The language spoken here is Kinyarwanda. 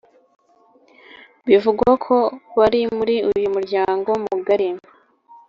bivugwa ko bari muri uyu muryango mugari.